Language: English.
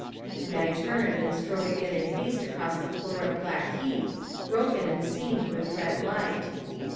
And I turned and strode again in haste across the floor of black heat, broken and seamed with red light.